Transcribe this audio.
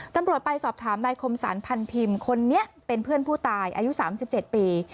ตำรวจไปสอบถามในคมสารพันธุ์พิมคนนี้เป็นเพื่อนผู้ตายอายุ๓๗ปี